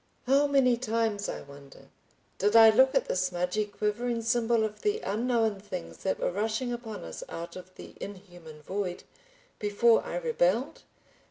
How many times I wonder did I look at the smudgy, quivering symbol of the unknown things that were rushing upon us out of the inhuman void, before I rebelled?